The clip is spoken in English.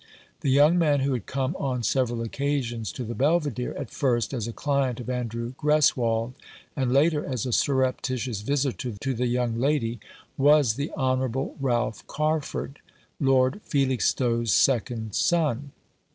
The young man who had come on several occasions to the Belvidere, at first as a client of Andrew Greswold, and later as a sur reptitious visitor to the young lady, was the Honourable Ralph Carford, Lord Felixstowe's second son.